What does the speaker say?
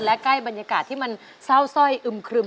และใกล้บรรยากาศที่มันเศร้าสร้อยอึมครึม